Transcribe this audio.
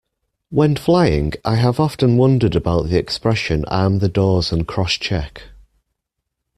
When flying, I have often wondered about the expression Arm the Doors and Crosscheck